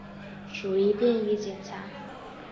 属于便衣警察。